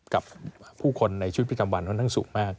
กับผู้คนในชีวิตประจำวันค่อนข้างสูงมาก